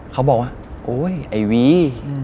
เขาบอกว่าโอ๊ยไอ้วี